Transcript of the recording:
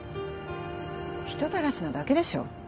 人たらしなだけでしょ